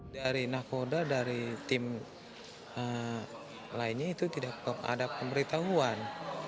dari nakoda dari tim lainnya itu tidak ada pemberitahuan